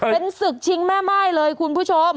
เป็นศึกชิงแม่ม่ายเลยคุณผู้ชม